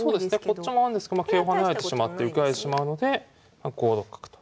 こっちもあるんですけどまあ桂を跳ねられてしまって受けられてしまうので５六角と。